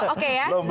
oh jangan dulu